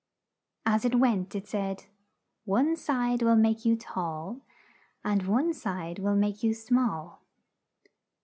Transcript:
As it went it said, "One side will make you tall, and one side will make you small.